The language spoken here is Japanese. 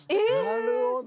なるほど。